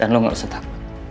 lo gak usah panik